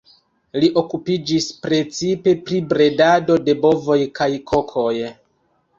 Li okupiĝis precipe pri bredado de bovoj kaj kokoj.